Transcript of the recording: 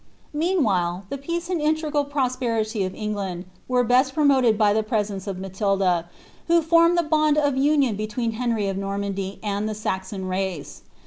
Meanwhile the peace and integral prosperity of BIngland were best promoted by the presence of Matilda, who formed the bond of union between Henry of Normandy and the Saxon race.